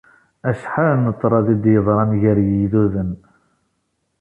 Acḥal n ṭṭrad i d-iḍran gar yigduden!